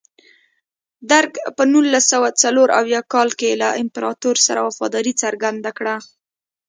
درګ په نولس سوه څلور اویا کال کې له امپراتور سره وفاداري څرګنده کړه.